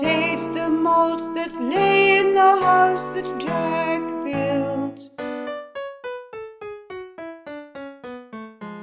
^ =3^= 4 j:^ i ate the malt that lay in the house that Jack built.